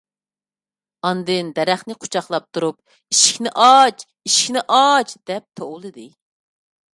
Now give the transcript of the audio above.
ئاندىن دەرەخنى قۇچاقلاپ تۇرۇپ: «ئىشىكنى ئاچ ! ئىشىكنى ئاچ !» دەپ توۋلىدى.